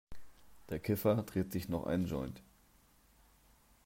Der Kiffer dreht sich noch einen Joint.